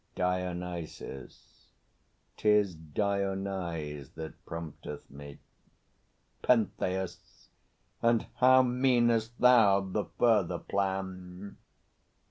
DIONYSUS. 'Tis Dionyse that prompteth me. PENTHEUS. And how Mean'st thou the further plan?